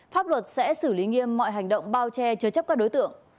pháp luật sẽ xử lý nghiêm mọi hành động bao che chứa chấp các đối tượng